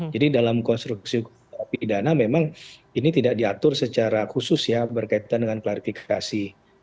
dalam konstruksi hukum pidana memang ini tidak diatur secara khusus ya berkaitan dengan klarifikasi